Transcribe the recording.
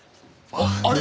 あっあれ？